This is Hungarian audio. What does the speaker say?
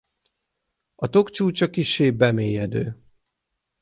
A tok csúcsa kissé bemélyedő.